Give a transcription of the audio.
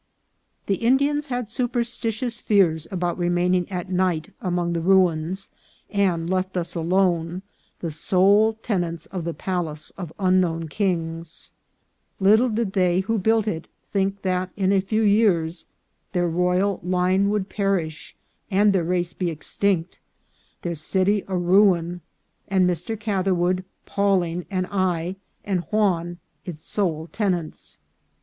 The Indians had superstitious fears about, remaining at night among the ruins, and left us alone, the sole tenants of the palace of unknown kings. Little did AN UNFORTUNATE ADVENTURER. they who built it think that in a few years their royal line would perish and their race be extinct, their city a ruin, and Mr. Catherwood, Pawling, and I and Juan its sole tenants.